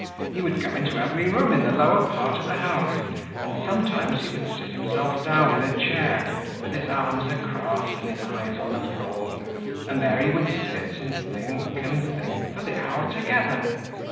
He would go into every room in the lower part of the house, and, sometimes, he would sit himself down in a chair, with his arms across, and his eyes on the floor, and there he would sit, and think, and think, for the hour together.